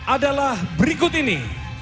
adalah berikut ini